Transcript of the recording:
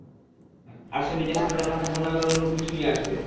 আর সে নিজের সাথে জান্নাত ও জাহান্নামের অনুরূপ কিছু নিয়ে আসবে।